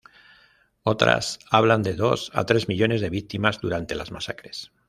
Otras hablan de dos a tres millones de víctimas durante las masacres.